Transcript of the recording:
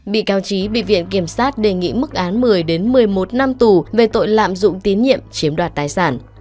bị cáo trí bị viện kiểm sát đề nghị mức án một mươi một mươi một năm tù về tội lạm dụng tín nhiệm chiếm đoạt tài sản